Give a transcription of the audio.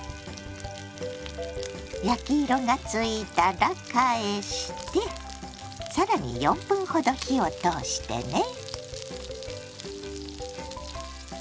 焼き色がついたら返して更に４分ほど火を通してね。